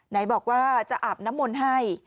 ไหนบอกว่าจะอาบน้ำมนต์ให้